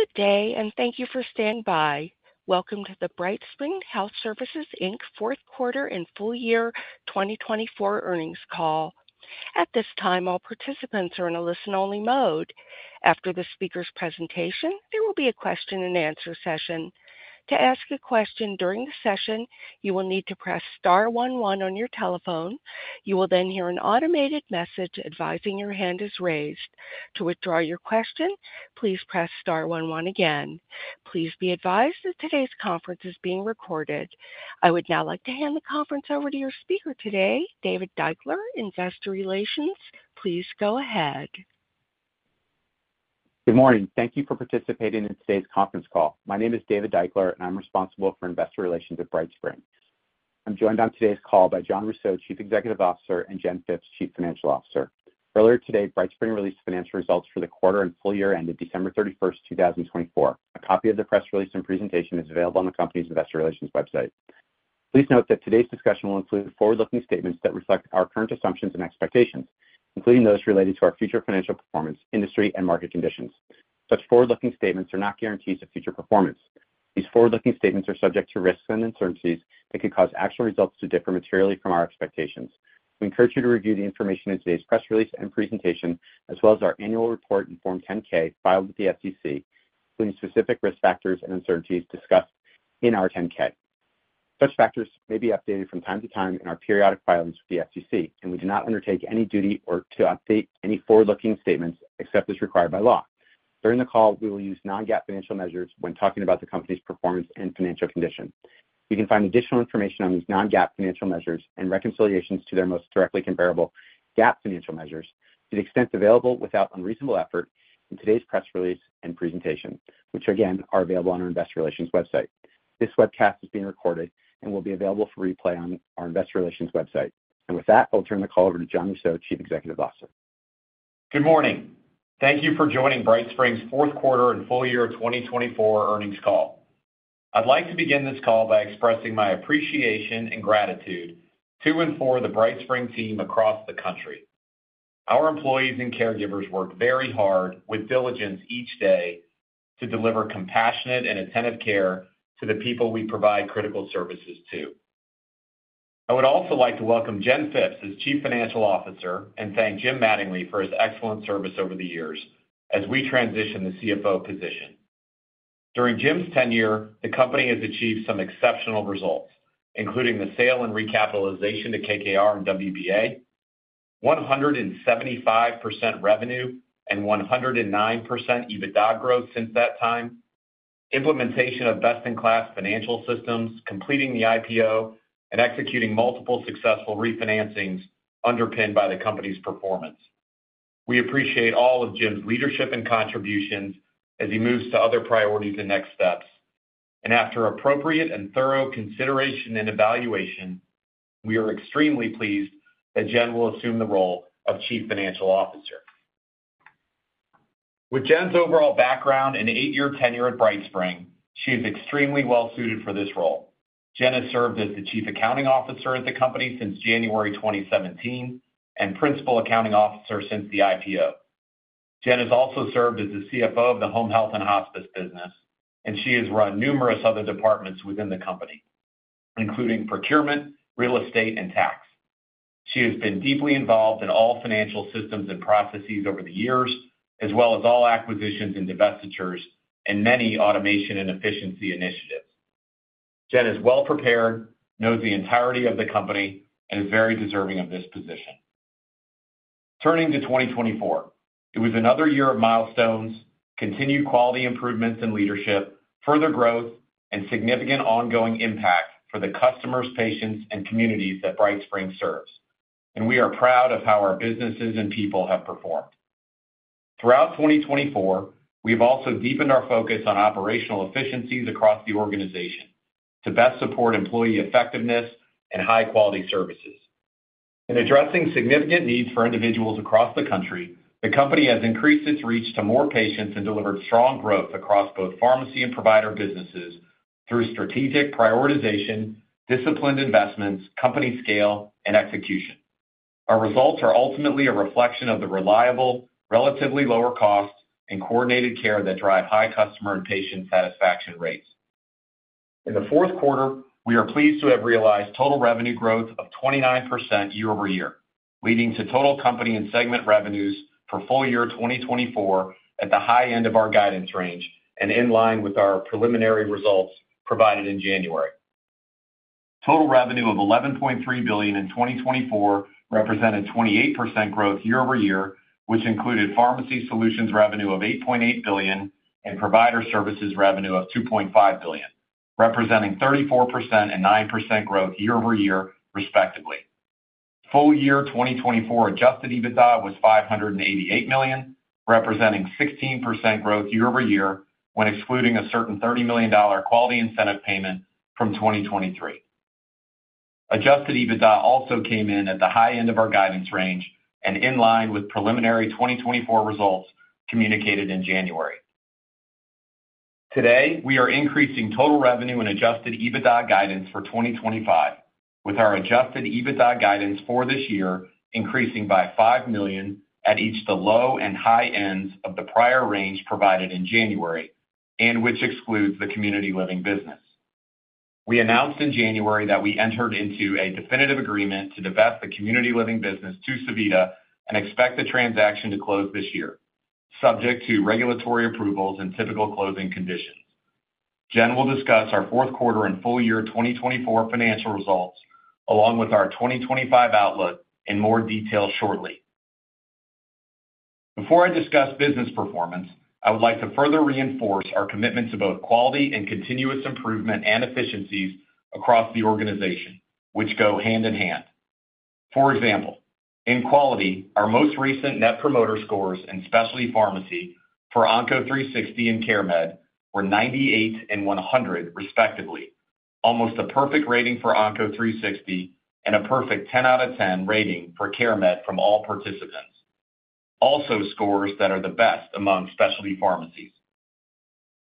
Good day, and thank you for standing by. Welcome to the BrightSpring Health Services Inc. Fourth Quarter and Full Year 2024 earnings call. At this time, all participants are in a listen-only mode. After the speaker's presentation, there will be a question-and-answer session. To ask a question during the session, you will need to press star one one on your telephone. You will then hear an automated message advising your hand is raised. To withdraw your question, please press star one one again. Please be advised that today's conference is being recorded. I would now like to hand the conference over to your speaker today, David Deuchler, Investor Relations. Please go ahead. Good morning. Thank you for participating in today's conference call. My name is David Deuchler, and I'm responsible for investor relations at BrightSpring. I'm joined on today's call by Jon Rousseau, Chief Executive Officer, and Jen Phipps, Chief Financial Officer. Earlier today, BrightSpring released financial results for the quarter and full year ended December 31st, 2024. A copy of the press release and presentation is available on the company's Investor Relations website. Please note that today's discussion will include forward-looking statements that reflect our current assumptions and expectations, including those related to our future financial performance, industry, and market conditions. Such forward-looking statements are not guarantees of future performance. These forward-looking statements are subject to risks and uncertainties that could cause actual results to differ materially from our expectations. We encourage you to review the information in today's press release and presentation, as well as our annual report, Form 10-K, filed with the SEC, including specific risk factors and uncertainties discussed in our 10-K. Such factors may be updated from time to time in our periodic filings with the SEC, and we do not undertake any duty to update any forward-looking statements except as required by law. During the call, we will use non-GAAP financial measures when talking about the company's performance and financial condition. You can find additional information on these non-GAAP financial measures and reconciliations to their most directly comparable GAAP financial measures to the extent available without unreasonable effort in today's press release and presentation, which, again, are available on our Investor Relations website. This webcast is being recorded and will be available for replay on our Investor Relations website. With that, I'll turn the call over to Jon Rousseau, Chief Executive Officer. Good morning. Thank you for joining BrightSpring's Fourth Quarter and Full Year 2024 earnings call. I'd like to begin this call by expressing my appreciation and gratitude to and for the BrightSpring team across the country. Our employees and caregivers work very hard with diligence each day to deliver compassionate and attentive care to the people we provide critical services to. I would also like to welcome Jen Phipps as Chief Financial Officer and thank Jim Mattingly for his excellent service over the years as we transitioned the CFO position. During Jim's tenure, the company has achieved some exceptional results, including the sale and recapitalization to KKR and WBA, 175% revenue, and 109% EBITDA growth since that time, implementation of best-in-class financial systems, completing the IPO, and executing multiple successful refinancings underpinned by the company's performance. We appreciate all of Jim's leadership and contributions as he moves to other priorities and next steps. After appropriate and thorough consideration and evaluation, we are extremely pleased that Jen will assume the role of Chief Financial Officer. With Jen's overall background and eight-year tenure at BrightSpring, she is extremely well-suited for this role. Jen has served as the Chief Accounting Officer at the company since January 2017 and Principal Accounting Officer since the IPO. Jen has also served as the CFO of the home health and hospice business, and she has run numerous other departments within the company, including procurement, real estate, and tax. She has been deeply involved in all financial systems and processes over the years, as well as all acquisitions and divestitures and many automation and efficiency initiatives. Jen is well-prepared, knows the entirety of the company, and is very deserving of this position. Turning to 2024, it was another year of milestones, continued quality improvements in leadership, further growth, and significant ongoing impact for the customers, patients, and communities that BrightSpring serves, and we are proud of how our businesses and people have performed. Throughout 2024, we have also deepened our focus on operational efficiencies across the organization to best support employee effectiveness and high-quality services. In addressing significant needs for individuals across the country, the company has increased its reach to more patients and delivered strong growth across both pharmacy and provider businesses through strategic prioritization, disciplined investments, company scale, and execution. Our results are ultimately a reflection of the reliable, relatively lower cost, and coordinated care that drive high customer and patient satisfaction rates. In the fourth quarter, we are pleased to have realized total revenue growth of 29% year-over-year, leading to total company and segment revenues for full year 2024 at the high end of our guidance range and in line with our preliminary results provided in January. Total revenue of $11.3 billion in 2024 represented 28% growth year-over-year, which included Pharmacy Solutions revenue of $8.8 billion and provider services revenue of $2.5 billion, representing 34% and 9% growth year-over-year, respectively. Full year 2024 Adjusted EBITDA was $588 million, representing 16% growth year-over-year when excluding a certain $30 million Quality Incentive Payment from 2023. Adjusted EBITDA also came in at the high end of our guidance range and in line with preliminary 2024 results communicated in January. Today, we are increasing total revenue and Adjusted EBITDA guidance for 2025, with our Adjusted EBITDA guidance for this year increasing by $5 million at each of the low and high ends of the prior range provided in January, and which excludes the community living business. We announced in January that we entered into a definitive agreement to divest the community living business to Sevita and expect the transaction to close this year, subject to regulatory approvals and typical closing conditions. Jen will discuss our fourth quarter and full year 2024 financial results, along with our 2025 outlook in more detail shortly. Before I discuss business performance, I would like to further reinforce our commitment to both quality and continuous improvement and efficiencies across the organization, which go hand in hand. For example, in quality, our most recent net promoter scores in specialty pharmacy for Onco360 and CareMed were 98 and 100, respectively, almost a perfect rating for Onco360 and a perfect 10 out of 10 rating for CareMed from all participants. Also scores that are the best among specialty pharmacies.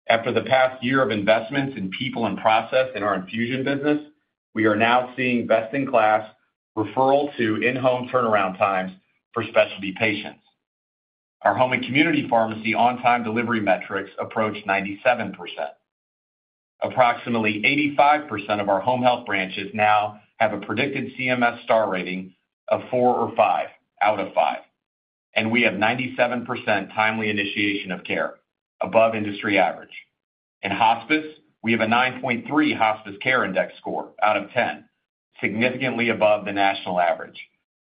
After the past year of investments in people and process in our infusion business, we are now seeing best-in-class referral to in-home turnaround times for specialty patients. Our home and community pharmacy on-time delivery metrics approach 97%. Approximately 85% of our home health branches now have a predicted CMS star rating of four or five out of five, and we have 97% timely initiation of care above industry average. In hospice, we have a 9.3 Hospice Care Index score out of 10, significantly above the national average,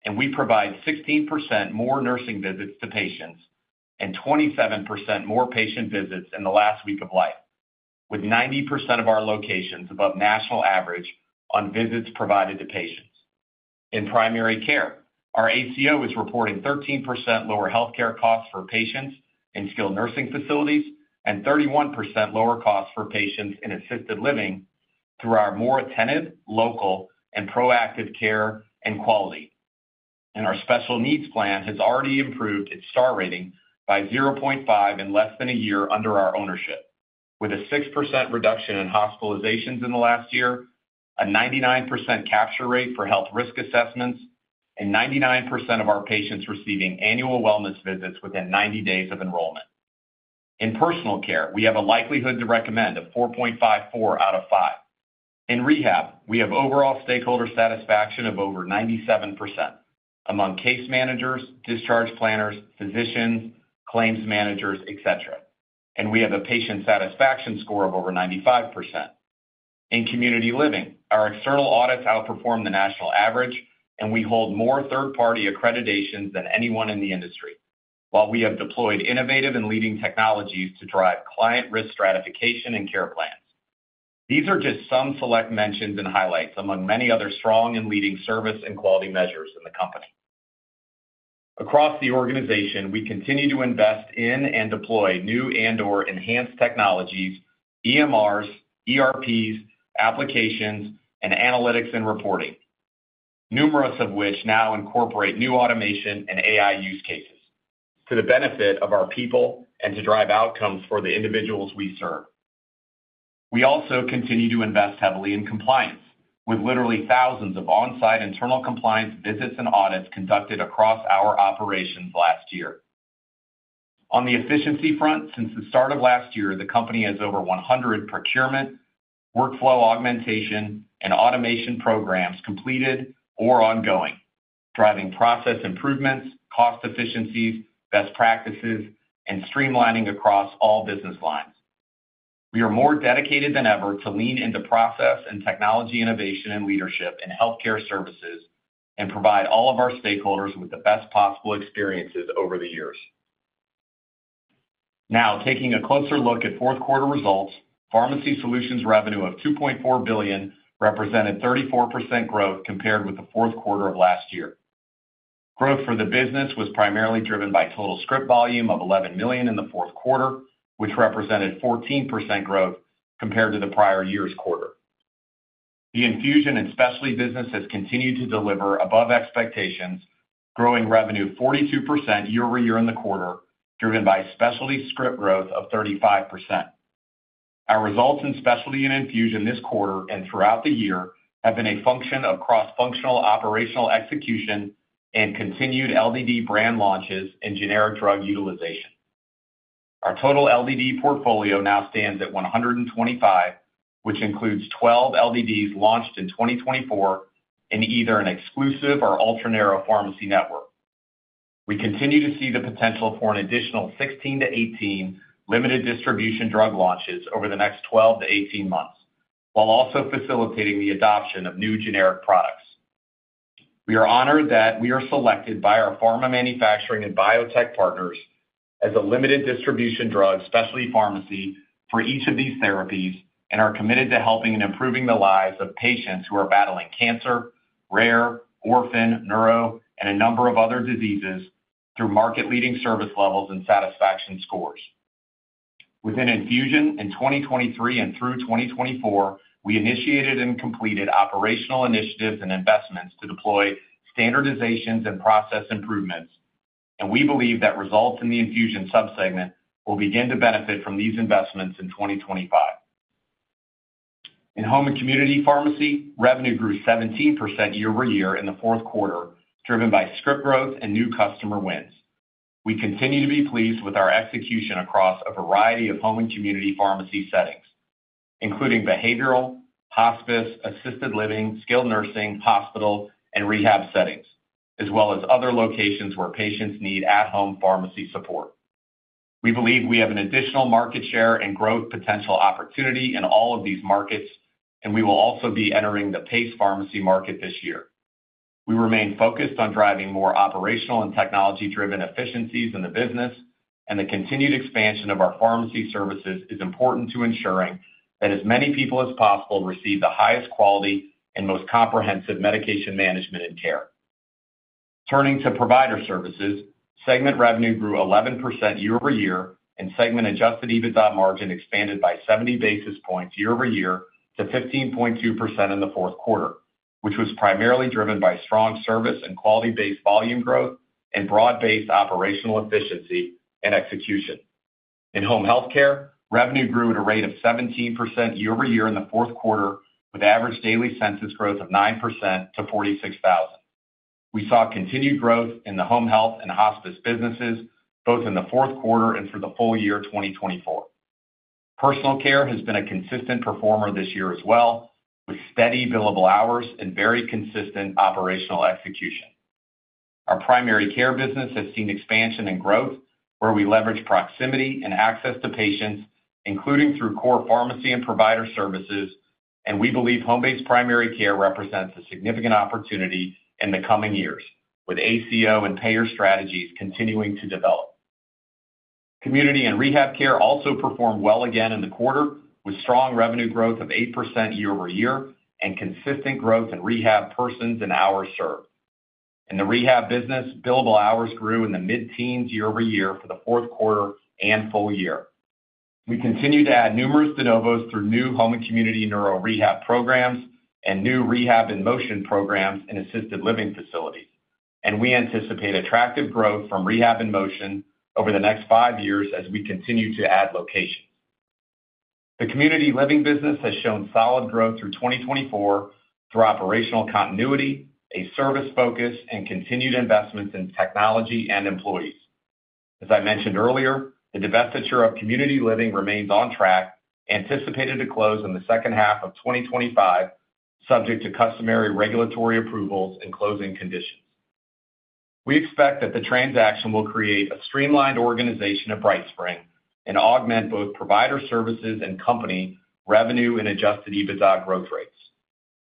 and we provide 16% more nursing visits to patients and 27% more patient visits in the last week of life, with 90% of our locations above national average on visits provided to patients. In primary care, our ACO is reporting 13% lower healthcare costs for patients in skilled nursing facilities and 31% lower costs for patients in assisted living through our more attentive, local, and proactive care and quality, and our special needs plan has already improved its star rating by 0.5 in less than a year under our ownership, with a 6% reduction in hospitalizations in the last year, a 99% capture rate for health risk assessments, and 99% of our patients receiving annual wellness visits within 90 days of enrollment. In personal care, we have a likelihood to recommend of 4.54 out of 5. In rehab, we have overall stakeholder satisfaction of over 97% among case managers, discharge planners, physicians, claims managers, etc., and we have a patient satisfaction score of over 95%. In community living, our external audits outperform the national average, and we hold more third-party accreditations than anyone in the industry, while we have deployed innovative and leading technologies to drive client risk stratification and care plans. These are just some select mentions and highlights among many other strong and leading service and quality measures in the company. Across the organization, we continue to invest in and deploy new and/or enhanced technologies, EMRs, ERPs, applications, and analytics and reporting, numerous of which now incorporate new automation and AI use cases to the benefit of our people and to drive outcomes for the individuals we serve. We also continue to invest heavily in compliance, with literally thousands of on-site internal compliance visits and audits conducted across our operations last year. On the efficiency front, since the start of last year, the company has over 100 procurement, workflow augmentation, and automation programs completed or ongoing, driving process improvements, cost efficiencies, best practices, and streamlining across all business lines. We are more dedicated than ever to lean into process and technology innovation and leadership in healthcare services and provide all of our stakeholders with the best possible experiences over the years. Now, taking a closer look at fourth quarter results, Pharmacy Solutions revenue of $2.4 billion represented 34% growth compared with the fourth quarter of last year. Growth for the business was primarily driven by total script volume of 11 million in the fourth quarter, which represented 14% growth compared to the prior year's quarter. The infusion and specialty business has continued to deliver above expectations, growing revenue 42% year-over-year in the quarter, driven by specialty script growth of 35%. Our results in specialty and infusion this quarter and throughout the year have been a function of cross-functional operational execution and continued LDD brand launches and generic drug utilization. Our total LDD portfolio now stands at 125, which includes 12 LDDs launched in 2024 in either an exclusive or ultra-narrow pharmacy network. We continue to see the potential for an additional 16-18 limited distribution drug launches over the next 12-18 months, while also facilitating the adoption of new generic products. We are honored that we are selected by our pharma manufacturing and biotech partners as a limited distribution drug specialty pharmacy for each of these therapies and are committed to helping and improving the lives of patients who are battling cancer, rare, orphan, neuro, and a number of other diseases through market-leading service levels and satisfaction scores. Within infusion, in 2023 and through 2024, we initiated and completed operational initiatives and investments to deploy standardizations and process improvements, and we believe that results in the infusion subsegment will begin to benefit from these investments in 2025. In home and community pharmacy, revenue grew 17% year-over-year in the fourth quarter, driven by script growth and new customer wins. We continue to be pleased with our execution across a variety of home and community pharmacy settings, including behavioral, hospice, assisted living, skilled nursing, hospital, and rehab settings, as well as other locations where patients need at-home pharmacy support. We believe we have an additional market share and growth potential opportunity in all of these markets, and we will also be entering the PACE pharmacy market this year. We remain focused on driving more operational and technology-driven efficiencies in the business, and the continued expansion of our pharmacy services is important to ensuring that as many people as possible receive the highest quality and most comprehensive medication management and care. Turning to provider services, segment revenue grew 11% year-over-year, and segment Adjusted EBITDA margin expanded by 70 basis points year-over-year to 15.2% in the fourth quarter, which was primarily driven by strong service and quality-based volume growth and broad-based operational efficiency and execution. In home healthcare, revenue grew at a rate of 17% year-over-year in the fourth quarter, with Average Daily Census growth of 9% to 46,000. We saw continued growth in the home health and hospice businesses, both in the fourth quarter and for the full year 2024. Personal care has been a consistent performer this year as well, with steady billable hours and very consistent operational execution. Our primary care business has seen expansion and growth, where we leverage proximity and access to patients, including through core pharmacy and provider services, and we believe home-based primary care represents a significant opportunity in the coming years, with ACO and payer strategies continuing to develop. Community and rehab care also performed well again in the quarter, with strong revenue growth of 8% year-over-year and consistent growth in rehab persons and hours served. In the rehab business, billable hours grew in the mid-teens year-over-year for the fourth quarter and full year. We continue to add numerous de novos through new home and community neuro rehab programs and new Rehab in Motion programs in assisted living facilities, and we anticipate attractive growth from Rehab in Motion over the next five years as we continue to add locations. The community living business has shown solid growth through 2024 through operational continuity, a service focus, and continued investments in technology and employees. As I mentioned earlier, the divestiture of community living remains on track, anticipated to close in the second half of 2025, subject to customary regulatory approvals and closing conditions. We expect that the transaction will create a streamlined organization of BrightSpring and augment both provider services and company revenue and Adjusted EBITDA growth rates.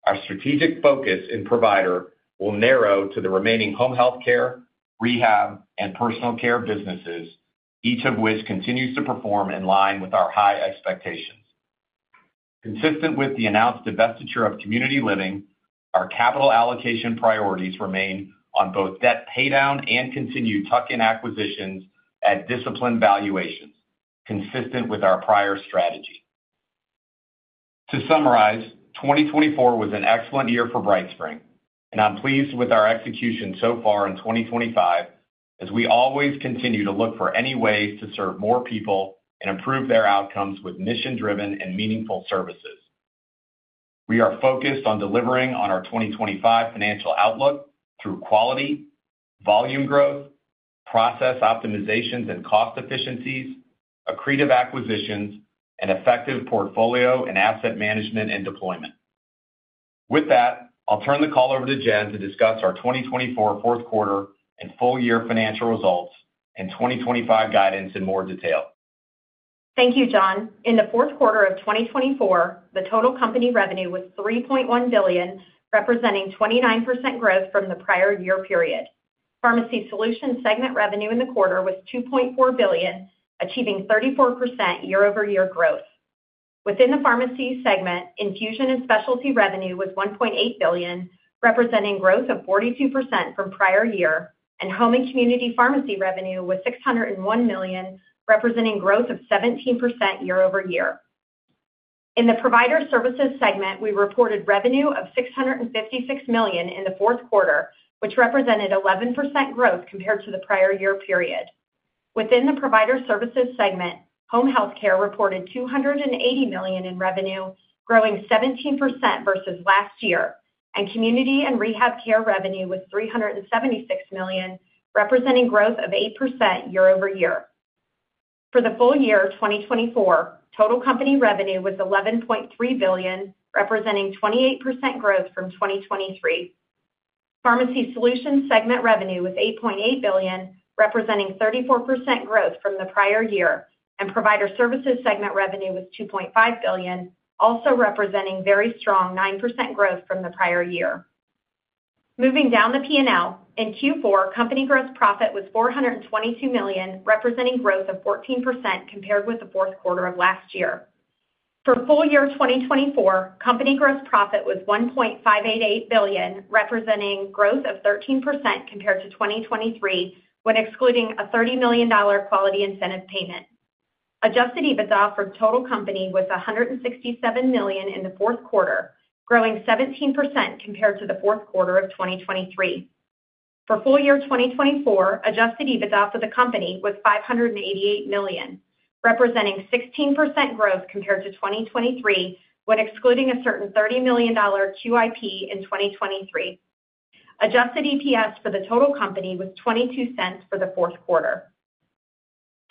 Our strategic focus in provider will narrow to the remaining home healthcare, rehab, and personal care businesses, each of which continues to perform in line with our high expectations. Consistent with the announced divestiture of community living, our capital allocation priorities remain on both debt paydown and continued tuck-in acquisitions at disciplined valuations, consistent with our prior strategy. To summarize, 2024 was an excellent year for BrightSpring, and I'm pleased with our execution so far in 2025, as we always continue to look for any ways to serve more people and improve their outcomes with mission-driven and meaningful services. We are focused on delivering on our 2025 financial outlook through quality, volume growth, process optimizations and cost efficiencies, accretive acquisitions, and effective portfolio and asset management and deployment. With that, I'll turn the call over to Jen to discuss our 2024 fourth quarter and full year financial results and 2025 guidance in more detail. Thank you, Jon. In the fourth quarter of 2024, the total company revenue was $3.1 billion, representing 29% growth from the prior year period. Pharmacy Solution segment revenue in the quarter was $2.4 billion, achieving 34% year-over-year growth. Within the pharmacy segment, infusion and specialty revenue was $1.8 billion, representing growth of 42% from prior year, and home and community pharmacy revenue was $601 million, representing growth of 17% year-over-year. In the provider services segment, we reported revenue of $656 million in the fourth quarter, which represented 11% growth compared to the prior year period. Within the provider services segment, home healthcare reported $280 million in revenue, growing 17% versus last year, and community and rehab care revenue was $376 million, representing growth of 8% year-over-year. For the full year 2024, total company revenue was $11.3 billion, representing 28% growth from 2023. Pharmacy Solution segment revenue was $8.8 billion, representing 34% growth from the prior year, and provider services segment revenue was $2.5 billion, also representing very strong 9% growth from the prior year. Moving down the P&L, in Q4, company gross profit was $422 million, representing growth of 14% compared with the fourth quarter of last year. For full year 2024, company gross profit was $1.588 billion, representing growth of 13% compared to 2023 when excluding a $30 million quality incentive payment. Adjusted EBITDA for total company was $167 million in the fourth quarter, growing 17% compared to the fourth quarter of 2023. For full year 2024, adjusted EBITDA for the company was $588 million, representing 16% growth compared to 2023 when excluding a certain $30 million QIP in 2023. Adjusted EPS for the total company was $0.22 for the fourth quarter.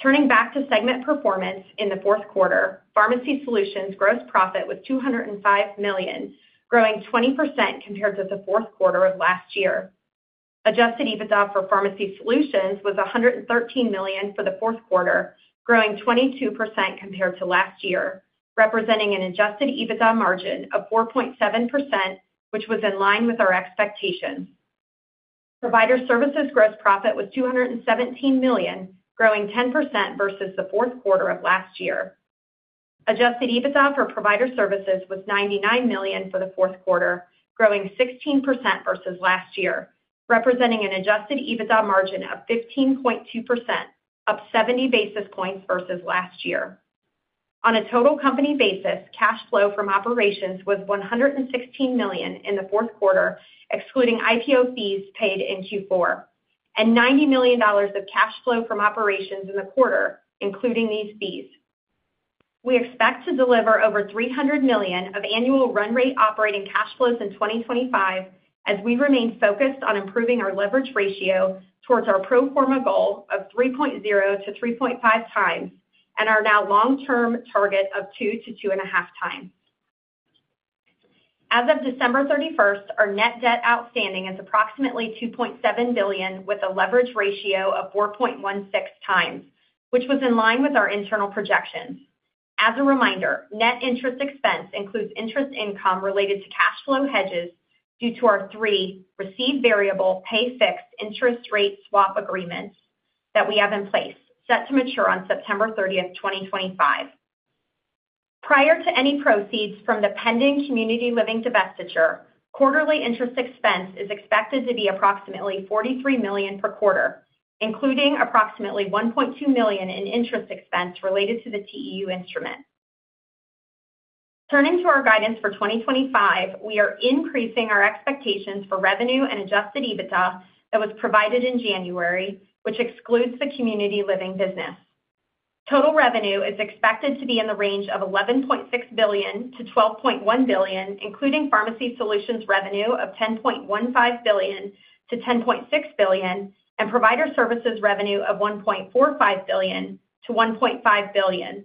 Turning back to segment performance in the fourth quarter, Pharmacy Solutions gross profit was $205 million, growing 20% compared to the fourth quarter of last year. Adjusted EBITDA for Pharmacy Solutions was $113 million for the fourth quarter, growing 22% compared to last year, representing an adjusted EBITDA margin of 4.7%, which was in line with our expectations. Provider services gross profit was $217 million, growing 10% versus the fourth quarter of last year. Adjusted EBITDA for provider services was $99 million for the fourth quarter, growing 16% versus last year, representing an adjusted EBITDA margin of 15.2%, up 70 basis points versus last year. On a total company basis, cash flow from operations was $116 million in the fourth quarter, excluding IPO fees paid in Q4, and $90 million of cash flow from operations in the quarter, including these fees. We expect to deliver over $300 million of annual run rate operating cash flows in 2025, as we remain focused on improving our leverage ratio towards our pro forma goal of 3.0-3.5 times and our now long-term target of 2-2.5 times. As of December 31st, our net debt outstanding is approximately $2.7 billion with a leverage ratio of 4.16 times, which was in line with our internal projections. As a reminder, net interest expense includes interest income related to cash flow hedges due to our three receive-variable, pay-fixed interest rate swap agreements that we have in place, set to mature on September 30th, 2025. Prior to any proceeds from the pending community living divestiture, quarterly interest expense is expected to be approximately $43 million per quarter, including approximately $1.2 million in interest expense related to the TEU instrument. Turning to our guidance for 2025, we are increasing our expectations for revenue and Adjusted EBITDA that was provided in January, which excludes the community living business. Total revenue is expected to be in the range of $11.6 billion-$12.1 billion, including Pharmacy Solutions revenue of $10.15 billion-$10.6 billion, and provider services revenue of $1.45 billion-$1.5 billion.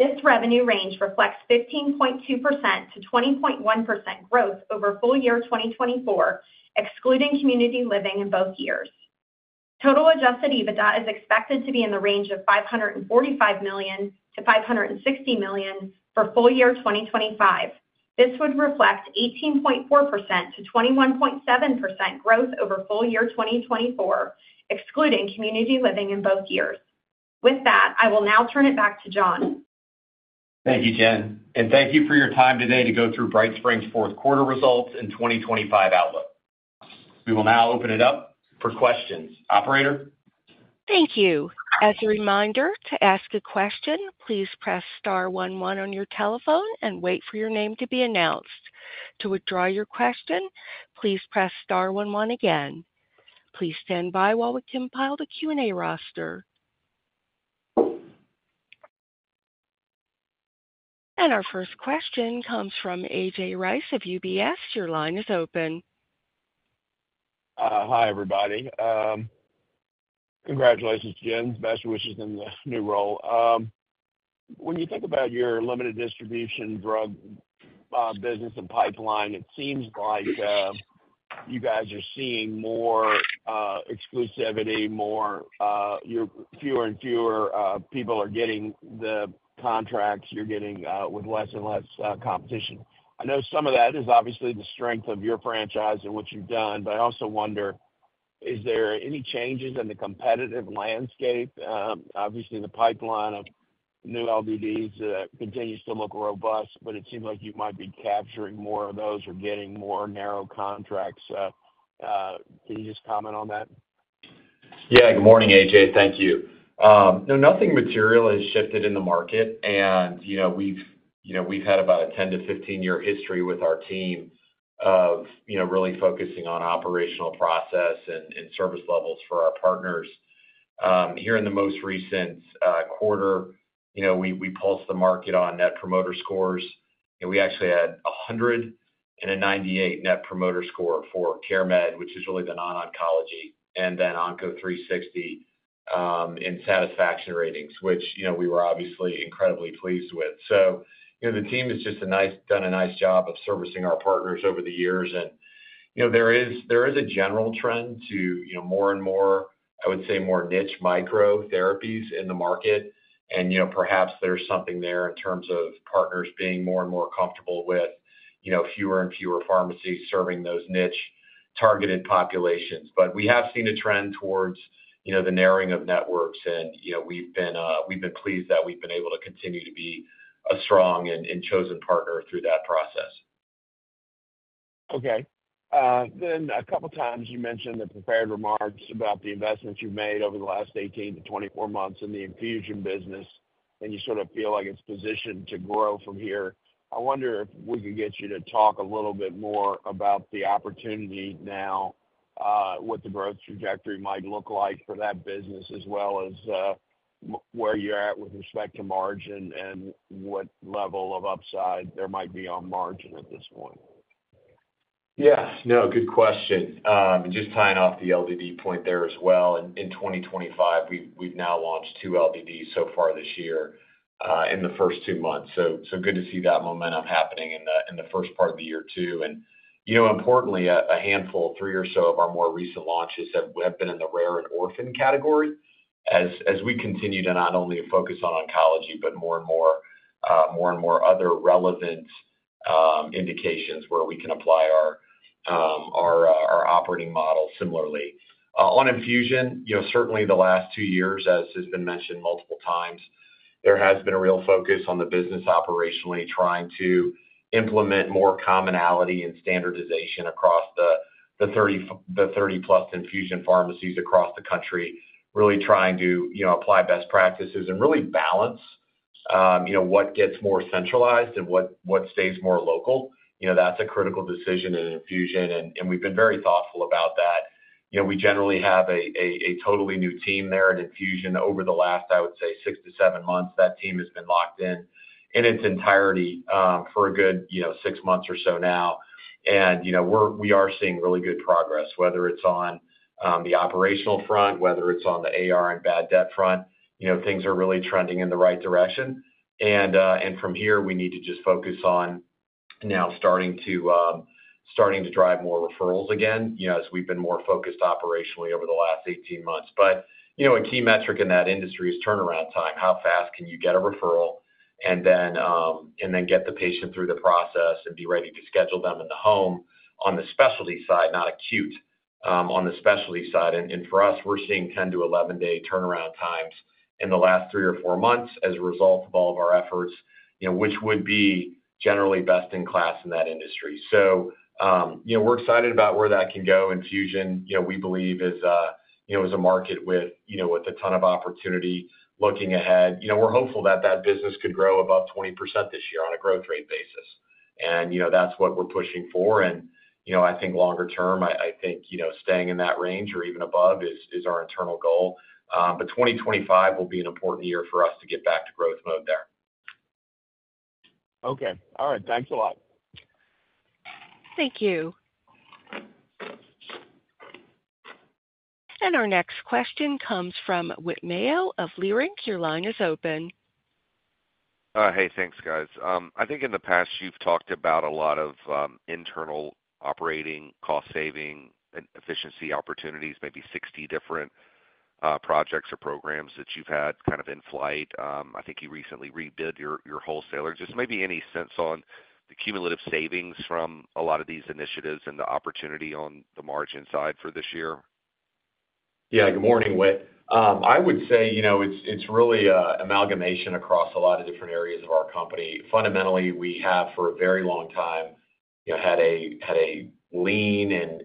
This revenue range reflects 15.2%-20.1% growth over full year 2024, excluding community living in both years. Total Adjusted EBITDA is expected to be in the range of $545 million-$560 million for full year 2025. This would reflect 18.4%-21.7% growth over full year 2024, excluding community living in both years. With that, I will now turn it back to Jon. Thank you, Jen, and thank you for your time today to go through BrightSpring's fourth quarter results and 2025 outlook. We will now open it up for questions. Operator? Thank you. As a reminder, to ask a question, please press star one one on your telephone and wait for your name to be announced. To withdraw your question, please press star one one again. Please stand by while we compile the Q&A roster. And our first question comes from A.J. Rice of UBS. Your line is open. Hi, everybody. Congratulations, Jen, best wishes in the new role. When you think about your limited distribution drug business and pipeline, it seems like you guys are seeing more exclusivity, fewer and fewer people are getting the contracts you're getting with less and less competition. I know some of that is obviously the strength of your franchise and what you've done, but I also wonder, is there any changes in the competitive landscape? Obviously, the pipeline of new LDDs continues to look robust, but it seems like you might be capturing more of those or getting more narrow contracts. Can you just comment on that? Yeah. Good morning, A.J. Thank you. No, nothing material has shifted in the market, and we've had about a 10 to 15-year history with our team of really focusing on operational process and service levels for our partners. Here in the most recent quarter, we pulsed the market on net promoter scores, and we actually had 100 and a 98 net promoter score for CareMed, which is really the non-oncology, and then Onco360 in satisfaction ratings, which we were obviously incredibly pleased with. So the team has just done a nice job of servicing our partners over the years, and there is a general trend to more and more, I would say, more niche micro therapies in the market, and perhaps there's something there in terms of partners being more and more comfortable with fewer and fewer pharmacies serving those niche targeted populations. But we have seen a trend towards the narrowing of networks, and we've been pleased that we've been able to continue to be a strong and chosen partner through that process. Okay. Then a couple of times you mentioned the prepared remarks about the investments you've made over the last 18-24 months in the infusion business, and you sort of feel like it's positioned to grow from here. I wonder if we could get you to talk a little bit more about the opportunity now, what the growth trajectory might look like for that business, as well as where you're at with respect to margin and what level of upside there might be on margin at this point. Yeah. No, good question. Just tying off the LDD point there as well. In 2025, we've now launched two LDDs so far this year in the first two months, so good to see that momentum happening in the first part of the year too, and importantly, a handful, three or so of our more recent launches have been in the rare and orphan category, as we continue to not only focus on oncology, but more and more other relevant indications where we can apply our operating model similarly. On infusion, certainly the last two years, as has been mentioned multiple times, there has been a real focus on the business operationally, trying to implement more commonality and standardization across the 30-plus infusion pharmacies across the country, really trying to apply best practices and really balance what gets more centralized and what stays more local. That's a critical decision in infusion, and we've been very thoughtful about that. We generally have a totally new team there at infusion. Over the last, I would say, six to seven months, that team has been locked in in its entirety for a good six months or so now, and we are seeing really good progress, whether it's on the operational front, whether it's on the AR and bad debt front. Things are really trending in the right direction, and from here, we need to just focus on now starting to drive more referrals again as we've been more focused operationally over the last 18 months. But a key metric in that industry is turnaround time. How fast can you get a referral and then get the patient through the process and be ready to schedule them in the home on the specialty side, not acute on the specialty side? And for us, we're seeing 10-11-day turnaround times in the last three or four months as a result of all of our efforts, which would be generally best in class in that industry. So we're excited about where that can go. Infusion, we believe, is a market with a ton of opportunity looking ahead. We're hopeful that that business could grow above 20% this year on a growth rate basis, and that's what we're pushing for. I think longer term, I think staying in that range or even above is our internal goal. But 2025 will be an important year for us to get back to growth mode there. Okay. All right. Thanks a lot. Thank you. Our next question comes from Whit Mayo of Leerink. Your line is open. Hey, thanks, guys. I think in the past, you've talked about a lot of internal operating cost-saving and efficiency opportunities, maybe 60 different projects or programs that you've had kind of in flight. I think you recently rebid your wholesalers. Just maybe any sense on the cumulative savings from a lot of these initiatives and the opportunity on the margin side for this year? Yeah. Good morning, Whit. I would say it's really amalgamation across a lot of different areas of our company. Fundamentally, we have for a very long time had a lean and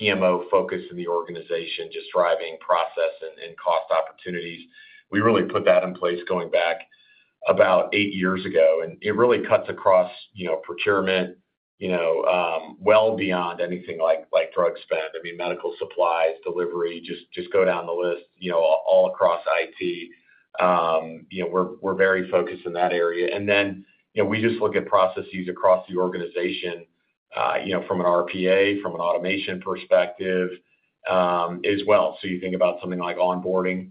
PMO focus in the organization, just driving process and cost opportunities. We really put that in place going back about eight years ago, and it really cuts across procurement well beyond anything like drug spend. I mean, medical supplies, delivery, just go down the list, all across IT. We're very focused in that area and then we just look at processes across the organization from an RPA, from an automation perspective as well, so you think about something like onboarding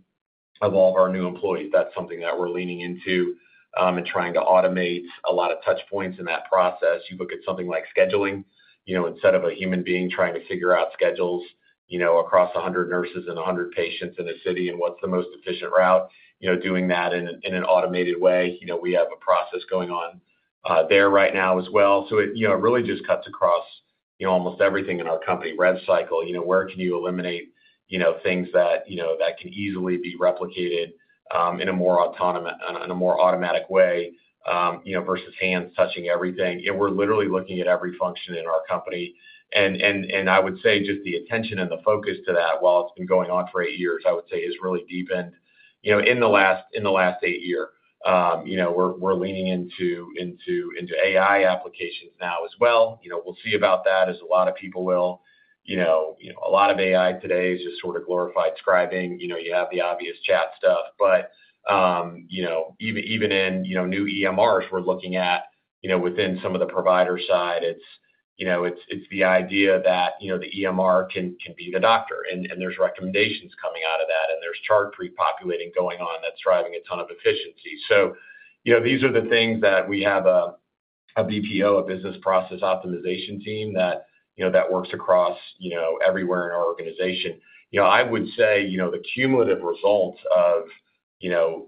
of all of our new employees. That's something that we're leaning into and trying to automate a lot of touchpoints in that process. You look at something like scheduling instead of a human being trying to figure out schedules across 100 nurses and 100 patients in a city and what's the most efficient route, doing that in an automated way. We have a process going on there right now as well. So it really just cuts across almost everything in our company: rev cycle. Where can you eliminate things that can easily be replicated in a more automatic way versus hands touching everything? We're literally looking at every function in our company. And I would say just the attention and the focus to that, while it's been going on for eight years, I would say, has really deepened in the last eight years. We're leaning into AI applications now as well. We'll see about that, as a lot of people will. A lot of AI today is just sort of glorified scribing. You have the obvious chat stuff, but even in new EMRs, we're looking at within some of the provider side. It's the idea that the EMR can be the doctor, and there's recommendations coming out of that, and there's chart prepopulating going on that's driving a ton of efficiency. These are the things that we have a BPO, a business process optimization team, that works across everywhere in our organization. I would say the cumulative result of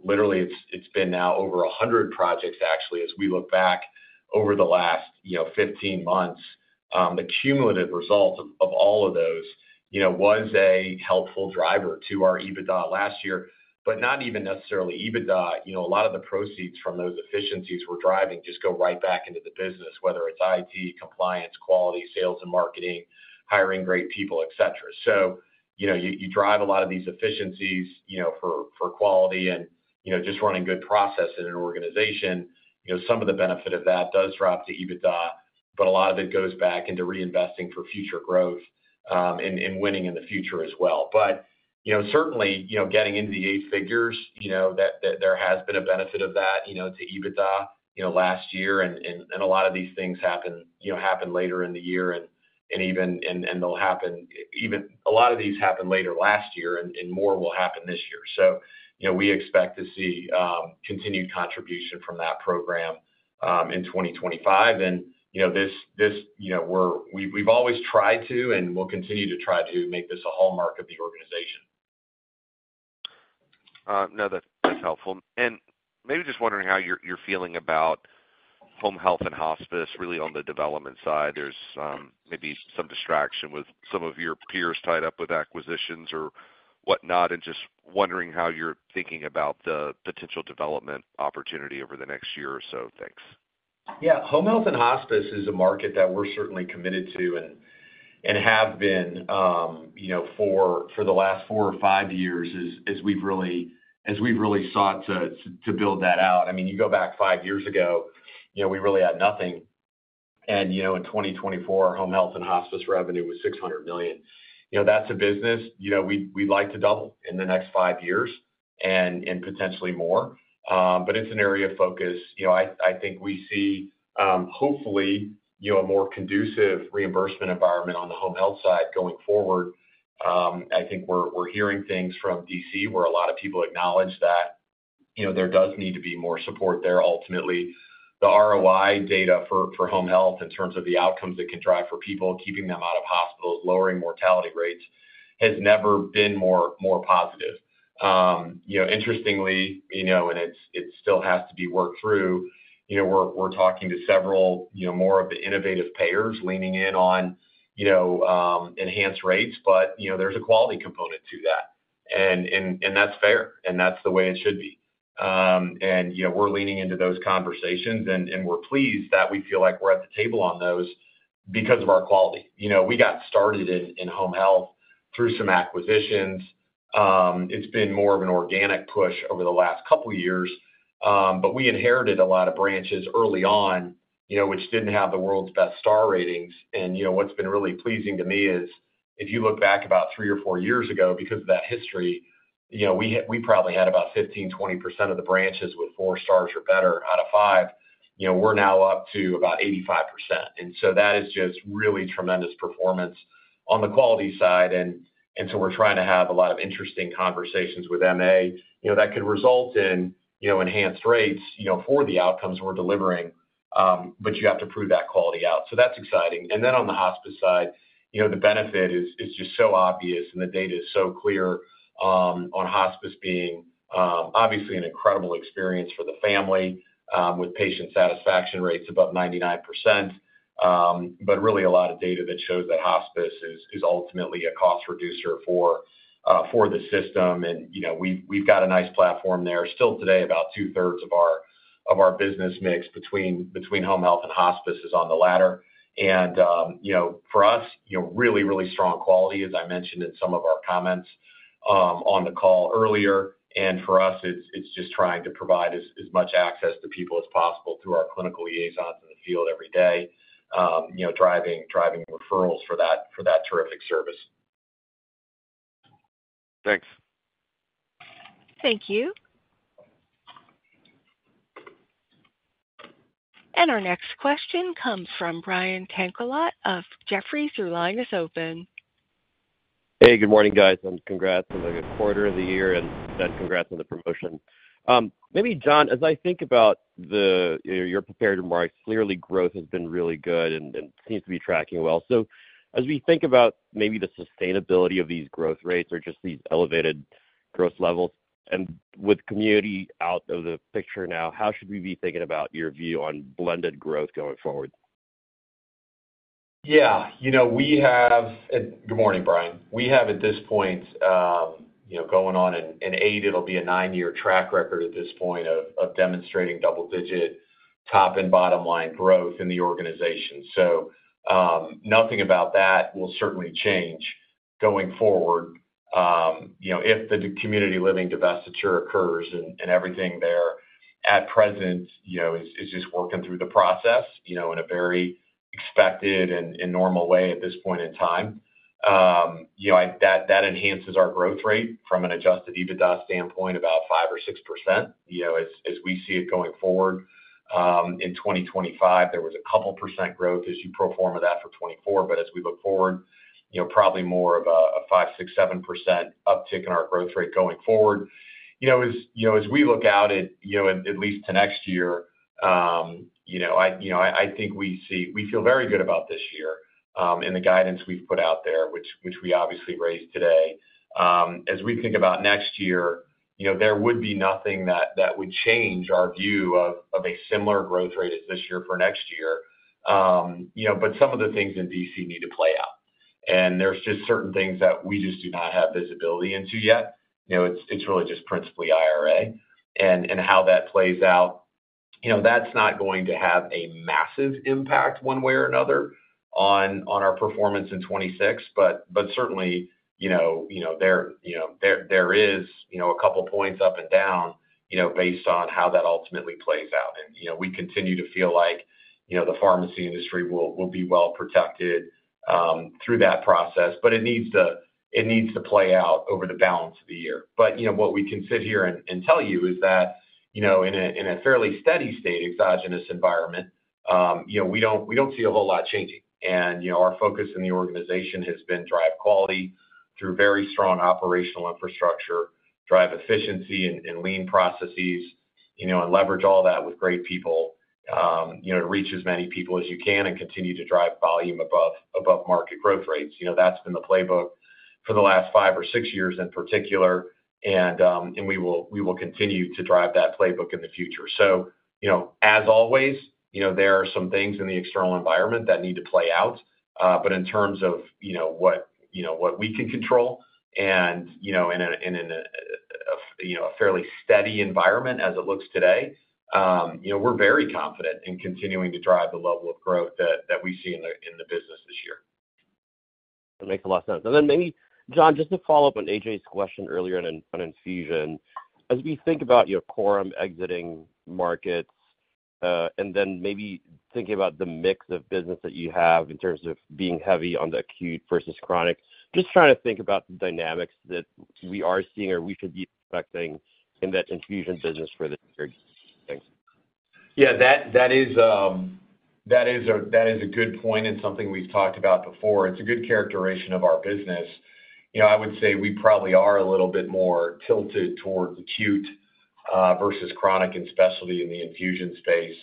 literally, it's been now over 100 projects, actually, as we look back over the last 15 months. The cumulative result of all of those was a helpful driver to our EBITDA last year, but not even necessarily EBITDA. A lot of the proceeds from those efficiencies we're driving just go right back into the business, whether it's IT, compliance, quality, sales, and marketing, hiring great people, etc. So you drive a lot of these efficiencies for quality, and just running good process in an organization. Some of the benefit of that does drop to EBITDA, but a lot of it goes back into reinvesting for future growth and winning in the future as well. But certainly, getting into the eight figures, there has been a benefit of that to EBITDA last year, and a lot of these things happen later in the year, and they'll happen even a lot of these happened later last year, and more will happen this year. So we expect to see continued contribution from that program in 2025. And this we've always tried to, and we'll continue to try to make this a hallmark of the organization. No, that's helpful. And maybe just wondering how you're feeling about home health and hospice, really on the development side. There's maybe some distraction with some of your peers tied up with acquisitions or whatnot, and just wondering how you're thinking about the potential development opportunity over the next year or so. Thanks. Yeah. Home health and hospice is a market that we're certainly committed to and have been for the last four or five years as we've really sought to build that out. I mean, you go back five years ago, we really had nothing. And in 2024, home health and hospice revenue was $600 million. That's a business we'd like to double in the next five years and potentially more. But it's an area of focus. I think we see, hopefully, a more conducive reimbursement environment on the home health side going forward. I think we're hearing things from DC where a lot of people acknowledge that there does need to be more support there. Ultimately, the ROI data for home health in terms of the outcomes it can drive for people, keeping them out of hospitals, lowering mortality rates, has never been more positive. Interestingly, and it still has to be worked through, we're talking to several more of the innovative payers leaning in on enhanced rates, but there's a quality component to that, and that's fair, and that's the way it should be, and we're leaning into those conversations, and we're pleased that we feel like we're at the table on those because of our quality. We got started in home health through some acquisitions. It's been more of an organic push over the last couple of years, but we inherited a lot of branches early on, which didn't have the world's best star ratings. And what's been really pleasing to me is, if you look back about three or four years ago, because of that history, we probably had about 15-20% of the branches with four stars or better out of five. We're now up to about 85%. And so that is just really tremendous performance on the quality side. And so we're trying to have a lot of interesting conversations with MA that could result in enhanced rates for the outcomes we're delivering, but you have to prove that quality out. So that's exciting. And then on the hospice side, the benefit is just so obvious, and the data is so clear on hospice being obviously an incredible experience for the family with patient satisfaction rates above 99%, but really a lot of data that shows that hospice is ultimately a cost reducer for the system. We've got a nice platform there. Still today, about two-thirds of our business mix between home health and hospice is on the latter. For us, really, really strong quality, as I mentioned in some of our comments on the call earlier. For us, it's just trying to provide as much access to people as possible through our clinical liaisons in the field every day, driving referrals for that terrific service. Thanks. Thank you. Our next question comes from Brian Tanquilut of Jefferies. Your line is open. Hey, good morning, guys. Congrats on the quarter and the year, and congrats on the promotion. Maybe, Jon, as I think about your prepared remarks, clearly growth has been really good and seems to be tracking well. So as we think about maybe the sustainability of these growth rates or just these elevated growth levels, and with community out of the picture now, how should we be thinking about your view on blended growth going forward? Yeah. Good morning, Brian. We have at this point going on in eight, it'll be a nine-year track record at this point of demonstrating double-digit top and bottom line growth in the organization. So nothing about that will certainly change going forward if the community living divestiture occurs and everything there at present is just working through the process in a very expected and normal way at this point in time. That enhances our growth rate from an Adjusted EBITDA standpoint, about 5% or 6% as we see it going forward. In 2025, there was a couple % growth as you pro forma that for 2024, but as we look forward, probably more of a 5, 6, 7% uptick in our growth rate going forward. As we look out at least to next year, I think we feel very good about this year and the guidance we've put out there, which we obviously raised today. As we think about next year, there would be nothing that would change our view of a similar growth rate as this year for next year. But some of the things in D.C. need to play out, and there's just certain things that we just do not have visibility into yet. It's really just principally IRA and how that plays out. That's not going to have a massive impact one way or another on our performance in 2026, but certainly, there is a couple points up and down based on how that ultimately plays out. And we continue to feel like the pharmacy industry will be well protected through that process, but it needs to play out over the balance of the year. But what we can sit here and tell you is that in a fairly steady-state exogenous environment, we don't see a whole lot changing. And our focus in the organization has been to drive quality through very strong operational infrastructure, drive efficiency and lean processes, and leverage all that with great people, reach as many people as you can, and continue to drive volume above market growth rates. That's been the playbook for the last five or six years in particular, and we will continue to drive that playbook in the future. So, as always, there are some things in the external environment that need to play out. But in terms of what we can control and in a fairly steady environment as it looks today, we're very confident in continuing to drive the level of growth that we see in the business this year. That makes a lot of sense. And then maybe, Jon, just to follow up on A.J.'s question earlier on infusion, as we think about your current existing markets and then maybe thinking about the mix of business that you have in terms of being heavy on the acute versus chronic, just trying to think about the dynamics that we are seeing or we should be expecting in that infusion business for the year? Thanks. Yeah. That is a good point and something we've talked about before. It's a good characterization of our business. I would say we probably are a little bit more tilted towards acute versus chronic, and especially in the infusion space